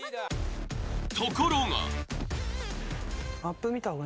ところが。